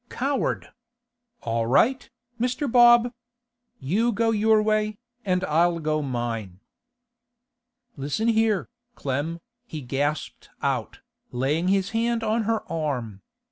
'Coward! All right, Mr. Bob. You go your way, and I'll go mine.' 'Listen here, Clem,' he gasped out, laying his hand on her arm.